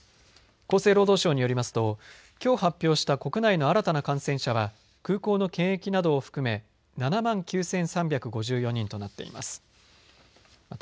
厚生労働省によりますときょう発表した国内の新たな感染者は空港の検疫などを含め７万９３５４人となっています。